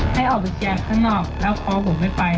ให้ออกไปแจงข้างนอกแล้วพอผมไม่ไป